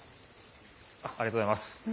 ありがとうございます。